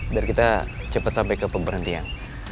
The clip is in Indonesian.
biar kita cepet sampe ke pemberhentian